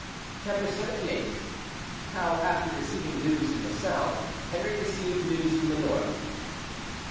CHAPTER LXXVIII. HOW, AFTER RECEIVING NEWS FROM THE SOUTH, HENRI RECEIVED NEWS FROM THE NORTH.